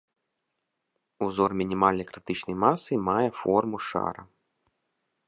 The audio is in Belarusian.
Узор мінімальнай крытычнай масы мае форму шара.